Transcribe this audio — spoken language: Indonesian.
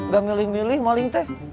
udah milih milih maling teh